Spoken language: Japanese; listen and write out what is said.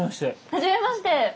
はじめまして。